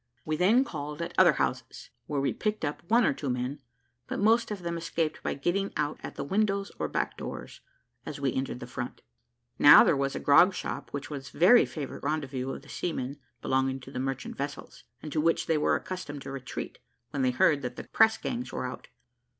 We then called at other houses, where we picked up one or two men, but most of them escaped by getting out at the windows or the back doors, as we entered the front. Now there was a grog shop which was a very favourite rendezvous of the seamen belonging to the merchant vessels, and to which they were accustomed to retreat when they heard that the press gangs were out.